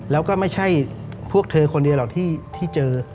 แล้วก็ไม่ใช่พวกเธอคนเดียวหรอกที่เจอ